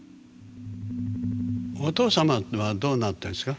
お父様はどうなってるんですか？